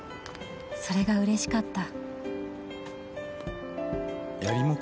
それが嬉しかった。